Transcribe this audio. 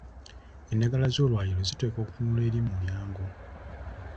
Endagala z'olwaliiro ziteekwa kutunula eri mulyango.